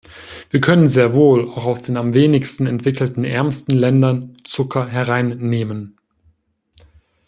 Wir können sehr wohl auch aus den am wenigsten entwickelten, ärmsten Ländern Zucker hereinnehmen.